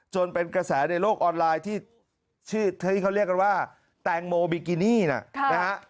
จนเป็นกระแสในโลกออนไลน์ที่เขาเรียกกันว่าแตงโมบิกินี่นะครับ